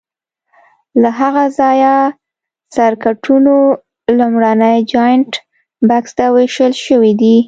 له هغه ځایه سرکټونو لومړني جاینټ بکس ته وېشل شوي دي.